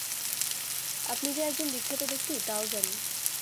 আপনি যে একজন বিখ্যাত ব্যক্তি তাও জানি।